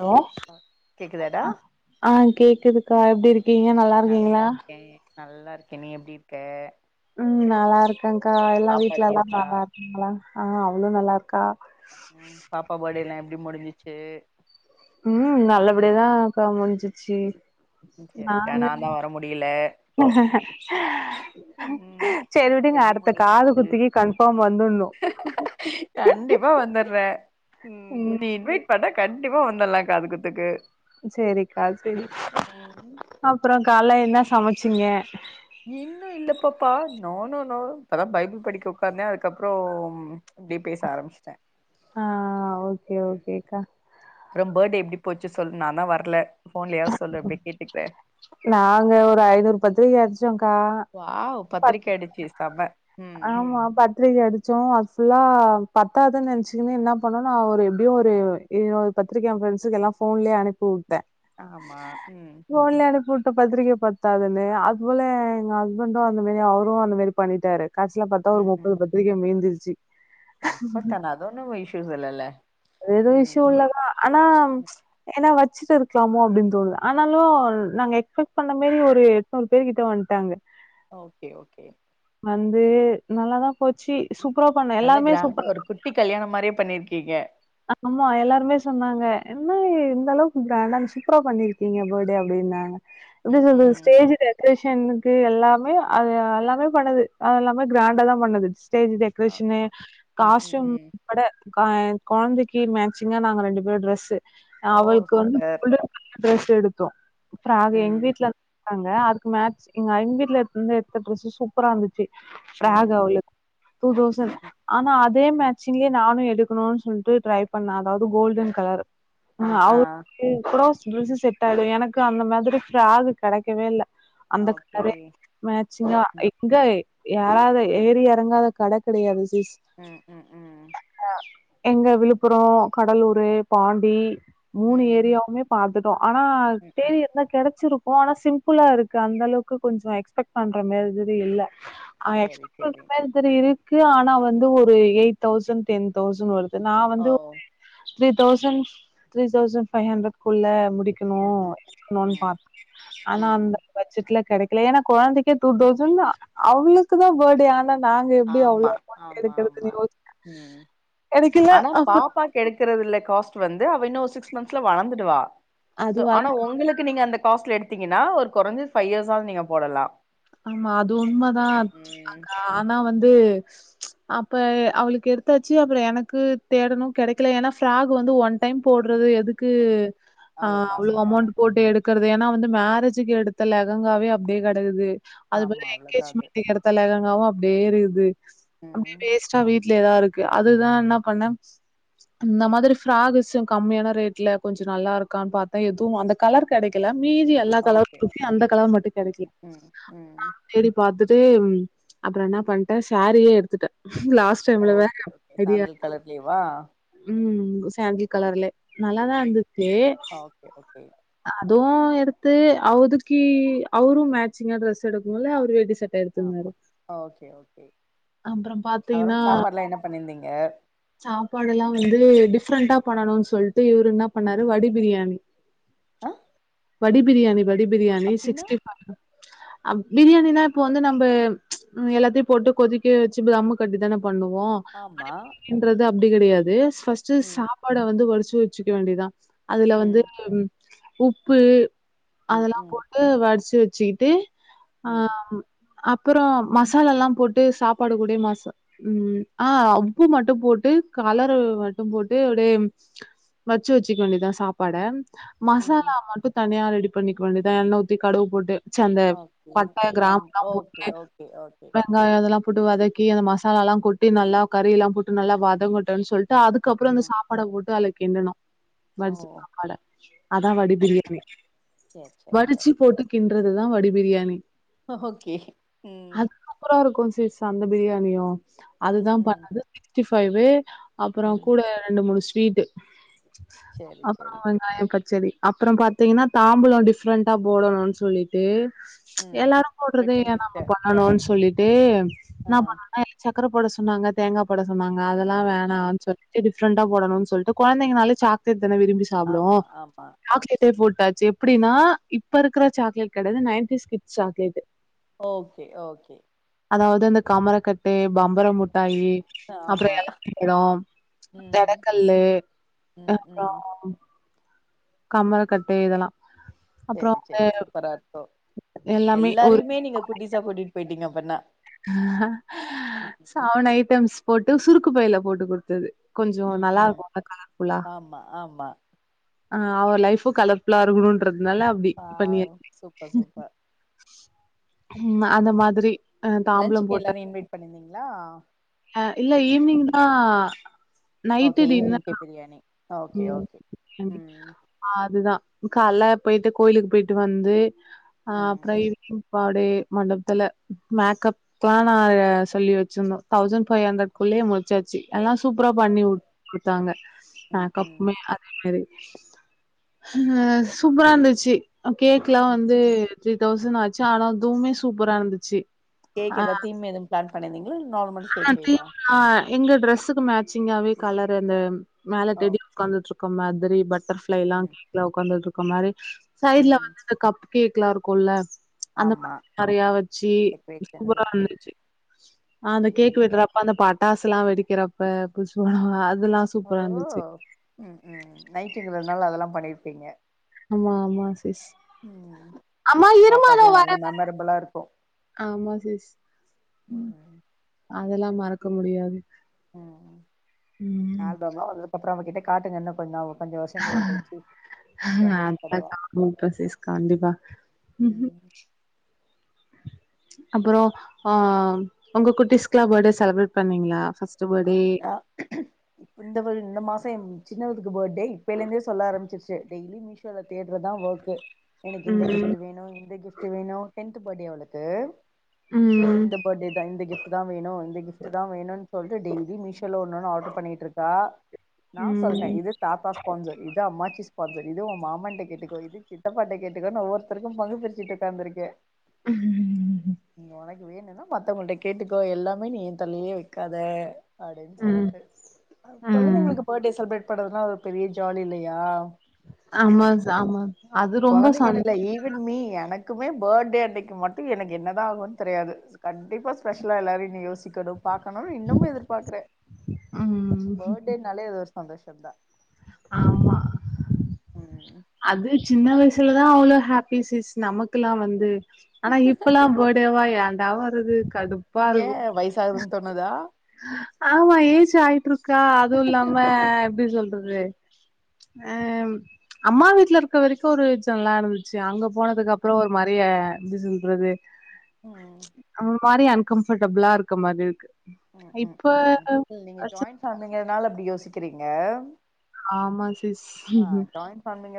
Hello கேக்குதாடா ஆஹ கேக்குதுக்கா எப்படி இருக்கீங்க நல்லா இருக்கீங்களா நல்லா இருக்கேன் நீ எப்படி இருக்க உம் நல்லா இருக்கேன்கா எல்லாம் பாப்பா வீட்டு்ல எப்டி எல்லாம் இருக்கா நல்லா இருக்கங்களா ஆஹ அவளும் நல்லா இருக்கா உம் பாப்பா பாஃடே எல்லாம் எப்படி முடிஞ்சுச்சு சே உம் நல்லபடியதான் கா முடிஞ்சிச்சு சரிடா நாங்க நா தா வர முடியல ம் [inaudible] சேரி விடுங்க எப்டி அடுத்த காது முடிஞ்சிச்சு குத்தக்கு கன்ஃபார்ம் வந்துணும் வ [unintelligible] கண்டிப்பா வந்துலாம் காதுகுத்துக்கு செரிக்கா அப்புறம் கா கால என்ன சமைச்சிங்க இன்னும் இல்லப்பப்பா நொணும்ன்னோ இப்பதான் பைபிள் படிக்க உக்காந்தேன் அதுக்கப்புறம் இப்படி பேச ஆரம்பிச்சிட்டேன் ஆஹ ஓக்கே ஓகேக்கா அப்றோ பர்த்டே எப்டி போச்சு சொல்ல நான் தான் வரல போன்லயாவது சொல்லற அப்புடிய கேட்டுக்கிறே நாங்க ஒரு ஐநூறு பத்திரிக்க அடிச்சோக்கா வாவ் பத்து பத்திரிக்க ஆடுச்சு செம ம் ஆமா பத்திரிகை அடிச்சோம் ஃபுல்லாக பத்தாதுன்னு நினச்சிக்கங்கன்னே என்ன பண்ணோம் நான் ஒரு எப்படியும் ஒரு ஒரு பத்திரிக்கை ஃப்ரெண்ட்ஸுக்கு எல்லாம் ஃபோன்லேயே அனுப்பி உட்டே ஆமா ம் போன்லே அனுப்பி பத்திரிக்கை பாரத்தாதுன்னு அது போல எங்க ஹஸ்பண்டும் அந்த மாரி அவரும் அந்த மாதிரி பண்ணிட்டாரு காடசில ம் ம் பாத்தாமமுப்பது பத்திரிகை மீந்து எப்பத்தான அதொன்னு இஷ்யூஸ் இல்லல்ல ஏதோ ம் விஷயம் இல்லதா ஆனா ஏனா வச்ச வச்சிட்டு இருக்கலாமோ அப்படின்னு தோணு ஆனால நாங்க எக்ஸ்பெக்ட் பண்ண மாரி ஒரு எட்நூறு பேர் கிட்ட வன்ட்டாங்க ஓகே ஓகே வந்து நல்லாதான் போச்சு சூப்பரா பண்ண நல்ல எல்லாருமே சூப் கிராண்ட ஒரு குட்டி கல்யாணம் மாரியே பண்ணிருக்கீங்க ஆமா எல்லாருமே சொன்னாங்க என்ன இந்தந்த அளவுக்கு பிராண்டா சூப்பரா பண்ணிருக்கீங்க பர்த்டே அப்புடின்னாங்க எப்படி ம் சொல்லறது ம் ஸ்டேஜ் டெக்கரேஷன் எல்லாமே அது எல்லாமே பண்ணது அது எல்லாமே கிராண்டா தான் பண்ணது ஸ்டேஜ் அ டெக்கரேஷனு ம் ம் காஸ்டயூம் ம் கூட கெழந்தைக்கு மேட்சிங்கா நாங்க ரெண்டு பேர் டிரெஸ்சு ஓ அவளுக்கு வந்து சூப்பர் எடுத்தோம் நாங்க எங்க ம் வீட்டுல இருக்காங்க அதுக்கு மேஸ் எங்க ஐம்பீர்ல எடுத்த டிரெஸ் சூப்பரா இருந்துச்சு ம் ஃப்ராகு அவளுக் டூ தவ் சன் ம் ஆனா அதே ம் மேட்சயே நானும் எடு [unintelligible] சொல்லிட்டு ட்ரை பண்ணா அதாவது கோல்டன் கலர் ஆ ஆ [unintelligible] ருசி செட்டால எனக்கு அந்த மாதிரி ஃப்ராக் கிடைக்கவே இல்ல அந்த ஓகே கலரே மேச்சிங்கா ம் ம் எங்க ஏராது ஏறி எறங்காத கட கிடையாது ஸ் ம் ம் ம் அஹா [inaudible] எங்க விழுப்புரம் கடலூரு பாண்டி மூணு ம் ஏரியாவுமே பாத்து ஆனா ம் தேரி ம் எந்த கெடைச்சிருக் ஓ ஆனா சிம்பிளா இருக்கு அந்த அளவுக்கு கொஞ்சம் எக்ஸ்பெக்ட் பண்ற மேரி இல்ல அவ் சேரி எக்ஸம சேரி இரு [unintelligible] ஆனா வந்து ஒரு எயிட் தௌசண்ட் டென் தௌசண்ட் வரு நான் ஓ வந்து ஒரு three thousands three thousand five hundred குள்ள முடிச் ம் ம் டிக்கனும் ம் ஆனா ம் அந்த பட்ஜெட்ல கெடைக் ஏன்னா கொழந்தைக்கே டூ தௌசன் அவளுக்கு தா பேர்டே ஆனா நாங்க எப்டி அவ்ளோ ஆமா அமௌண்ட் ஆமா எடுக்கறதுன்னு ஆமா யோசிச்ச உம் கெடைக்கல ஆனா அப்றோ பாப்பா கெடுக்கறது இல காஸ்ட் வந்து வந்து அவ இன்னும் சிக்ஸ் மந்த்ஸ்ல வளர்ந்துடுவா அது வள ஆனா ஒங்களுக்கு நீங்க அந்த காஸ்ட்ல எடு பாத்தீங்கன்னா ஒரு குறைஞ்சது ஃபை இயர்ஸ் ஆவது நீங்க போடலாம். ஆமா அது உண்மதான் ஆனா வந்து ஓ அப்ப அவளுக்கு எடுத்தாச்சு அப்புறம் எனக்கு தேடணும் கெடைக்கல ஏன்னா ஃப்ராக் வந்து ஒன் டைம் போடுறது எதுக்கு அவ்ளோ ஆஹ் அவ்வளவு காஸ்ட்ல அமௌண்ட் போட்டு எடுக்கறது ஏன்னா வந்து மேரேஜுக்கு எடுத்த லகங்காவே அப்டே கடக்குது அது போல ஆமா அவ்ளோதா அது எங்கேஜ்மெண்ட்க்கு எடுத்த லகங்க அப் வேற இது அப்டே ம் வேஸ்டா வீட் த இருக்கு அதுதான் என்ன பண்னே இந்த மாதிரி ஃப்ராக் கம்மியான ரேட்ல கொஞ்சம் நல்லா இருக்கான்னு பாத்தேன் எதுவும் அந்த கலர் கிடைக்கல மீதி எல்லா கலரு ஓகே தூக்கி அந்த கலர் மட்டும் ம் கெடைக்கல ம் ம் நா ம் தேடி பாத்துட்டு அப்றம் என்ன பண்டேன் சேரியே எடுத்துட்டேன் லாஸ்ட் டைம்ல வேர ஓகே ஓகே பிரியா சாண்டல் கலர்லயேவா உம் சாண்டில் கலர்லே நல்லாதான் ம் இருந்துச்சு ஓகே ஓகே அதுவும் இரு து அவதிக்கி அவரு மேக் சிங்க ட்ரெஸ் எடுக்கும்ல்ல அவரு டிஸ் ஆமா ஓகே ஓகே அப்புறம் அப்புறம் சாப்பாடுலாம் என்ன பண்ணிருந்தீங்க ஒகே சாப்பாடு எல்லாம் வந்து டிப்ரெண்டா பண்ணணும்னு சொல்லிட்டு இவரு என்ன பண்ணாரு வடி பிரியாணி ஆஹ வடி பிரியாணி வடி பிரியணி சிக்ஸ்டி ப்பைவ் பிரியாணிலாம் இப்ப வந்து நம்ம எல்லாத்தையும் போட்டு கொதிக்க வச்சு தம் கட்டிதானே பண்ணுவோம் ஆமா ன்றது அப்டி கெடையாது பஸ்ட் ம் சாப்பாடு வந்து வடிச்சி குரிசிக்க வேண்டியதா அதுல வந்து ம் உப்பு ம் அதெல்லாம் ம் போட்டு வடிச்சு வ சீட்டு ம் ஆஹ் அப்பறம் மசால எல்லாம் போட்டு சாப்பாட கூடிய மாசம் ம் ஹ் உப்பு மட்டும் போட்டு கலர மட்டும் போட்டு அப்டியே வச்சு வச்சிக்க வேண்டியதான் சாப்பாட ம் மசாலா மட்டும் தனியா எடுத் பண்ணிக்க வேண்டியதான் எண்ணெய் ஊத்தி கடுகு போட்டு அந்த ஓகே பட்ட ஆம் கிராம்பு எல்லாம் ஓகே போட்டு ஓகே ஓகே வெங்காயம் அதெல்லாம் போட்டு வதக்கி அந்த மசாலா எல்லாம் போட்டி நல்லா கறியெல்லாம் போட்டு நல்ல வதங்கட்டன்னு சொல்லிட்டு அதுக்கப்புற ம் அந்த சாப்பாட போட்டு அதுல எண்ணணும் ஓ வடிச்ச சாப்பாடு அதான் வடி பிரியாணி சேர் சேர் வடிச்சு சேர் போட்டு கிண்டி இது தான் வடி பிரியாணி ஓகே உம் மிஸ் அந்த பிரியாணியோ அதுதான் ம் பண்ணுது டுவென்டி ப்பைவ் அப்பறம் ம் கூட ரெண்டு முடிச்சி வீட்டு சேரி ஆமா சேரி நான் என் பத்தி செரி அப்பறம் பாத்தீங்கன்னா தாம்பழம் டிப்ரெண்டா போடணும்னு சொல்லிட்டு ம் எல்லாரும் போடுறதே ரிட்டன் ஏன் கிஃப்ட்டு நம்ம பண்ணணும்னு சொல்லிட்டு ட்டே ஆ என்னா பண்ணனா [unintelligible] க்கர போட சொன்னாங்க தேங்கா போட சொன்னாங் அதெல்லா ஆ வேணானு சொல்ட்டு [unintelligible] ஃப்ரண்டா போடனுன்னு சொல்ட்டு கொழைந்தைங்கனாலே சாக்லேட் அதானே விரும்பி சாப்டுவோ ஆமா ஆமா சாக்லேட்டே போட்டாச் எப்டின்னா இப்ப இருக்கற சாக்லேட் கெடையாது nineties kids chocolate okay okay அதாவது அந்த கமரக்கட்டு பம்பர ம் முட்டாயி அப்றோ ஆமா எலந்த பழோ அந்த ம் எடக்கல்லு ம் அப்றோ ம் கமருக்கட்டு இதெல்லா செரி செரி சூப்பரா இருக்கு எல்லாமே எல்லாரையுமே நீங்க குட்டீஸா கூட்டிட்டு போயிட்டீங்க அப் பண்ண செவென் ஐட்டம்ஸ் போட்டு சுருக்கு பையில போட்டு குடுத்தது கொஞ்சோ ம் நல்லா ம் இருக்கும்ல கலர்ஃபுல்லா ஆமா ஆமா ஆ அவ லைஃபு கலர்ஃபுலா இருக்கணுன்றது ஆ சூப்பர் சூப்பர் ம் அந்த மாதிரி அ லன்ச்சுக்கு எல்லாரையு இன்வைட் பண்ணிருந்தீங் லா ஆ இல்ல ஈவ்னிங் தா நைட்டு ஓகே ஈவினிங்க்கு டின்னெர்தா பிரியாணி ஓகே ம் ஓகே ம் அதுதா கால்ல போயிட்டு கோயிலுக்கு போயிட்டு வந்து ஆ ம் அப்றோ ஈவ்னிங் அப்றோ அப்டியே மண்டபத்துல மேக்கப்க்லா நா சொல்லி வச்சிருந்தோ தௌசண்ட் ஃபைவ் ஹண்ரட்குள்ளயே முடிச்சாச்சி எல்லா சூப்பரா ஓ பண்ணி குட் குடுத்தாங்க ம் ம் மேக்கப்புமே அதே மாரி அ சூப்பரா இருந்துச்சி அ கேக்லா ம் வந்து த்ரீ தௌசண்ட் ஆச்சு ஆனா அதுமே சூப்பரா இருந்துச்சி கேக்கு எதா தீம் எதும் பிளான் பண்ணிருந்திங் ஆ கிரீம் எங்க ட்ரெஸ்ஸுக்கு மே சிங்காவே கலர் அந்த மேல ஓ டெடிக் உட்காந்துட்ருக் மாதுரி பட் எல்லாம் ம் வீட்ல உட்காந்திட்ருக் [unintelligible] சைடு்ல ம் வந்த இந்த கப் கேக்கலாம் இருக்கும்ல்ல அந்த ஆமா மாதிரி நறையா வச்சி டெக்கரேஷன்ஸ் சூப்பரா வச்சு இருந்துச்சி ஆ அந்த ம் கேக் வெட்டுறப்ப அந்த பட்டாசு எல்லாம் வெடிக்கிறப்ப புஸ்வானம் இதெல்லாம் ஓ சூப்பரா இருந்துச்சு அதனால அதெல்லாம் பண்ணிருப்பீங்க ஆமா ஆமா ம் அம்மா இரும்மா இதோ பாப்பாக்கு நல்ல வரேன் மெமரபிளா இருக்கு ஆமா சிஸ் ம் அதெல்லாம் மறக்க முடியாது ம் ஆல்பம் லா வந்ததுகப்புறம் அவ கிட்ட காட்டுங்க இன்ன கொஞ்சநாளு ஆ ஆ அப்ப சந்தோஷப்படுவா [unintelligible] இன்டரசிஸ் கண்டிப்பா ம் அப்புறம் அஹ் உங்க குட்டிஸ்கலாம் பர்டே செலபரேட் பண்ணீங்களா ஃபர்ஸ்ட் பர்த்டே ஆமாடா இந்த ஒரு இந்த மாசம் சின்னதுக்கு பர்டே இப்பைல இருந்தே சொல்ல ஆரம்பிருச்சு டெய்லி மீஷோல தேடுறது தான் ஒர்க்கு எனக்கு இந்த ம் கிஃப்ட் வேணும் இந்த கிஃப்ட் வேணும் டென்த் பர்டே அவளுக்கு சோ ம் இந்த பர்த்டே தான் இந்த கிப்ட் தான் வேணும் இந்த கிப்ட் தான் வேணும்னு சொல்ட்டு டெய்லி மிஷி அதுல ஓன்னொன்னு ஆர்டர் பண்ணிட்டு இருக்கா நான் சொல்லிட்டேன் ம் இது தாத்தா ஸ்பான்சர் இது அம்மாச்சி அ இது உன் மாமன்கிட்ட கேட்டுக்க இது சித்தாப்பாகிட்ட கேட்டுக்கோன்னு ஒவ்வொருத்தருக்கும் பங்கு பிரிச்சுட்டு உக்காந்துருக்கேன் [unintelligible] வேணுன்னா மத்தவங்களிட்ட கேட்டுக்கோ எல்லாமே நீ என் தலையிலேயே வை கத அப்படின்னு ம் சொல்லிட்டு ம் குழந்தைங்களுக்கு பர்டே செலபிரேட் [unintelligible] ஒரு பெரிய ஜாலி இல்லையா ஆமாஸ் ஆமா அது ரொம்ப சந் க்குமே பர்த்டே அன்னைக்கு மட்டும் எனக்கு என்னதாகனு தெரியாது கண்டிப்பா ஸ்பெஷலா எல்லாரையும் நீ யோசி பாக [inaudible] இன்னமும் எதிர்பார்க்கறேன் ம் பர்த்டேனலே சந்தோசதா ஆமா அது சின்ன வயசுலதான் அவ்ளோ ஹாப்பி சிஸ் நமக்குெல்லா வந்து ஆனா இப்பலா போடவா அண்டாவறது கடுப்பா ஏ இருக்கும் வயசாகுதுன்னு தோணுதா ஆமா ஏஜ்சா க்கா அதுவும் இல்லாம எப்படி ம் சொல்றது ஆஹ் அம்மா வீட்ல இருக்க வரைக்கும் ஒரு விஜம்லந்துச்சு ச்சி அங்க போனதுக்கு அப்பறம் ஒரு மறைய வந்து சொல்றது ம் ஆஹ மாரி அன்ஃகம்பர்டபிளா இருக்க மாரி இருக்கு உம் உம் இப்ப உம் நீங்க ஜாயங்ஃபேமலிங்கரனால அப்டி யோசிக்கிறீங்க ஆமா சிஸ்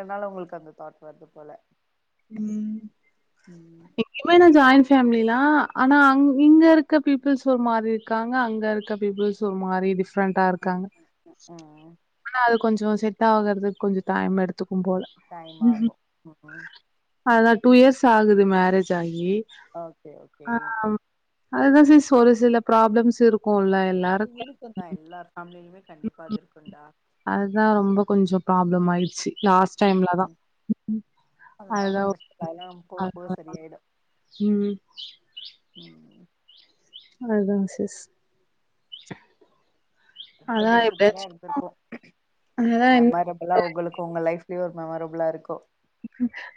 அதனால உங்களுக்கு அந்த தாட் வருது போல உம் ம் எமன ஜாயன் ஃபேமிலிலாம் ஆனா அங் இங்க இருக்க பீப்புள்ஸ் ஒரு மாரி இருக்காங்க அங்கே இருக்க பீப்புள்ஸ் ஒரு மாரி சிஸ் ஃப்ரெண்டண்டா ம் இருக்காங்க ம் ம் அது கொஞ்சம் செட் ஆகுறதுக்கு கொஞ்சம் டைம் எடுத்துக்கு க்கும் போல டைம் ம் ஆகு ம் அதன டூ இயர்ஸ் ஆகுது மேரேஜ் ஆகி ஓகே ஓகே அதான் சிஸ் ஒரு சில ப்ராப்ளம்ஸ் இருக் அது இருக்கும் தான் எல்லா ஃபேமிலுமே கண்டிப்பா அது இருக்கு அதுதான் ரொம்ப கொஞ்சம் ப்ராப்ளம் ஆயிது லாஸ்ட் ம் டைம்ல தான் ம் அதெல்லா ஒன்னு அ பிரச்சன இல்ல அதெல்லா போக போக சரியாயிடு உம் ம் அதாங் சிஸ் அதா கபடி சூப்பரா எப்பயாச்சு இருந்திருக்கும் அதா மெரபுளா உங்களுக்கு உங்க லைஃப் அப்டி ஒரு மெமரபிள்லா இருக்கும்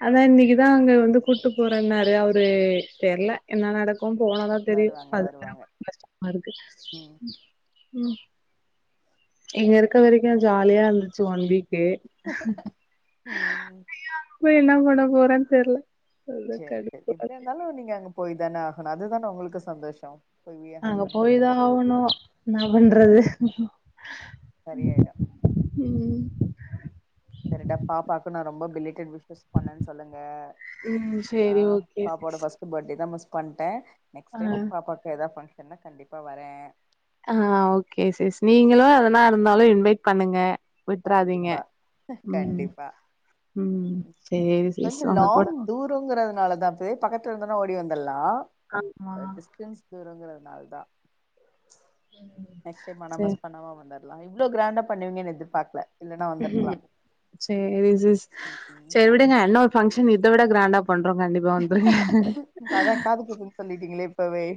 அதான் இன்னைக்குதான் அங்க வந்து கூட்டு போறேன்னாரு அவரு தெர்ல என்ன நடக் அ போனாதா தெரியும் வருவாங்க வருவாங்க [unintelligible] கஷ்டமா இருக்கு ம் உம் இங்க இருக்க வரைக்கும் ஜாலியா இருந்துச்சு ஒன் வீக் கே ம் [inaudible] போய் என்ன பன்ன போறேன் தெர்ல அதா செரி செரி கடுப்பா எப்ப இருக்கு இருந்தாலும் நீங்க அங்கப் போய் தான ஆகணும் அதுதான உங்களுக்கு சந்தோஷம் அங்க போயி தான் ஆகணும் என்ன ம் பண்றது சரியாயிடு உம் சரிடா பாப்பாக்கு நான் ரொம்ப பில் [inaudible] விஸ் பண்ணன் சொல்லுங்க ம் ஆ சேரி ஓகே பாப்பா ஓட சிஸ் ஃபர்ஸ்ட் பர்டேதா மிஸ் பண்ட்டேன் நெக்ஸ் ஆ டைம் பாப்பாகு ஏதாவது பண் என்ன கண்டிப்பா வர்ரேன் ஆ ஓகே சிஸ் நீங்களும் எதனா இருந்தாலும் இன்வைட் பண்ணுங்க விட்றாதீங்க கண்டிப்பா ம் கண்டிப்பா ம் சேரி சிஸ் கொஞ்சம் உங்க கூட லாங் துரங்கிறதுனால தான் இப்ப பக்கத்து எங்க இருந்தலம் ஓடி வந்தல ஆமா [unintelligible] அதான் சரி இவ்ள கிரான்ட பண்ணுவிங்க எதிர்பாக் ம் சரி சிஸ் ம் சரி விடுங்க என்ன ஒரு ஃங்க்ஷன் இத விட க்ராண்டா பண்றோம் கண்டிப்பா வந்துருங் அதா காது குத்துன்னு சொல்லிட்டீங்களே இப்பவே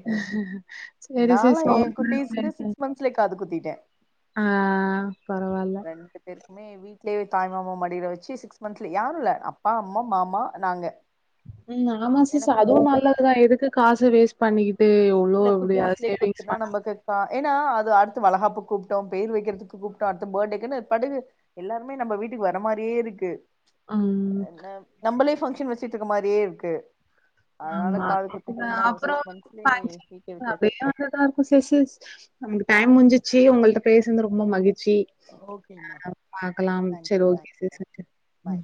சரி சரி நாலா எ குட்டீஸ்க்கு சிக்ஸ் மந்த்ஸ்லயே காது குத்திட்டே ஆஹ் பரவாயல வி தாய் மாம மடியில வச்சு சிக்ஸ் மந்த்ல யாரும் இல்ல அப்பா அம்மா மாமா நாங்க உம் ஏன்னா ஆமாசிஸ் குட்டி அதுவும் நல்லதுதான் எதுக்கு காசு [unintelligible] வேஸ்ட் பண்ணிகிட்டு இல்ல குட்டீஸ்லயே குத்துன்னா நம்ம க்கு ஏன்னா அது அடுத்த வலகாப்புக்கு கூப்டோம் பேர் வைக்கிறதுக்கு கூப்ட்டோம் அடுத்த பர்த்டேக்குன்னு படு எல்லாருே நம்ம வீட்டுக்கு வர மாரியே இருக்கு ம் என் நம்மளஃபங்க்ஷன் வச்சு வச்சிட்டுக்கு மாதிரியே இருக்கு அதனால ஆமா. காது அ குத்தக்கமா ஒரு அப்புறம் சிக்ஸ் ஃபங்ஷன் மந்த்ஸ்லயே விட்டாச்சு அப்படியே வந்ததா இருக்கும் சிச ந முஞ்சிச்சு உங்கள்ட பேசது ரொம்ப மகிழ்சி ஓகேமா ஹ் பாரக்கலாம் தேங்க்யூ தேங்க்யூடா சரி பாய்